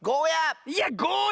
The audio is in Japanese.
いやゴーヤ！